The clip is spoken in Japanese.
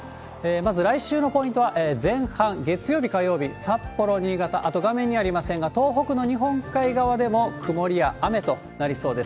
まず、来週のポイントは前半、月曜日、火曜日、札幌、新潟、あと画面にありませんが、東北の日本海側でも曇りや雨となりそうです。